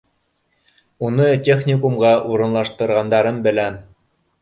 Уны техникумға урынлаштырғандарын беләм.